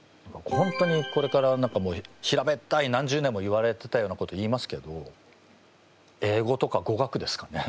本当にこれから平べったい何十年も言われてたようなこと言いますけど英語とか語学ですかね？